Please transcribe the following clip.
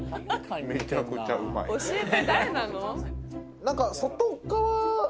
教えて誰なの？